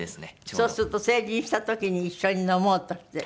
そうすると成人した時に一緒に飲もうとしてる？